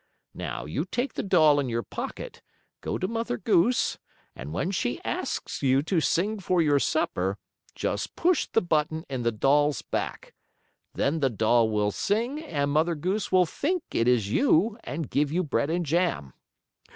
Now you take the doll in your pocket, go to Mother Goose, and when she asks you to sing for your supper, just push the button in the doll's back. Then the doll will sing and Mother Goose will think it is you, and give you bread and jam."